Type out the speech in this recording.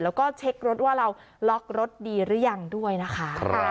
แล้วก็เช็ครถว่าเราล็อกรถดีหรือยังด้วยนะคะ